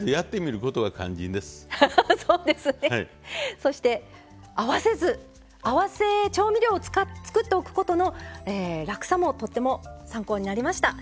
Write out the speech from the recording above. そして合わせ酢合わせ調味料を作っておくことの楽さもとっても参考になりました。